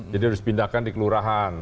jadi harus pindahkan di kelurahan